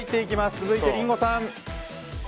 続いて、リンゴさん。